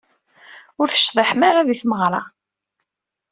Ur tecḍiḥem ara di tmeɣra.